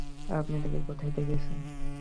আপনি তাকে কোথাও দেখেছেন?